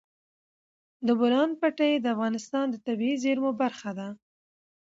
د بولان پټي د افغانستان د طبیعي زیرمو برخه ده.